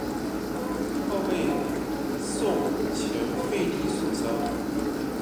后被宋前废帝所杀。